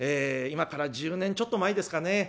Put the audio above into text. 今から１０年ちょっと前ですかね